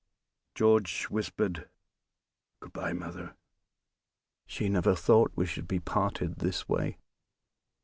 George whispered, "Good by, mother! She never thought we should be parted this way."